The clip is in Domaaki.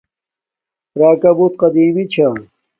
راکا بوت قدیمی چھا